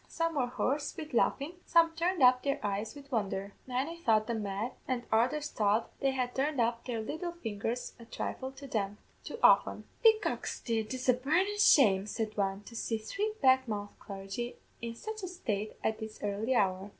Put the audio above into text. Some were hoarse wid laughin'; some turned up their eyes wid wondher; many thought them mad, an' others thought they had turned up their little fingers a thrifle too often. "'Be goxty, it's a burnin' shame,' said one, 'to see three black mouth clargy in sich a state at this early hour!'